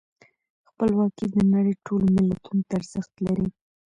خپلواکي د نړۍ ټولو ملتونو ته ارزښت لري.